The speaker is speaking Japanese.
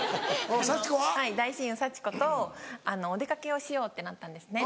大親友サチコとお出掛けをしようってなったんですね。